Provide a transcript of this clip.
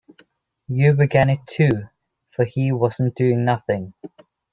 You began it too, for he wasn’t doing nothing.